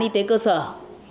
và y tế của xã phường